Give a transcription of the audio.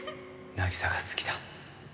凪沙が好きだ。